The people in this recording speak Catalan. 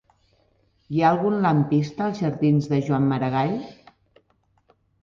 Hi ha algun lampista als jardins de Joan Maragall?